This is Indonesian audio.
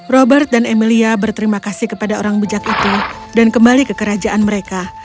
robert dan emilia berterima kasih kepada orang bijak itu dan kembali ke kerajaan mereka